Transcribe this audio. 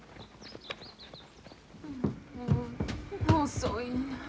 遅いなあ。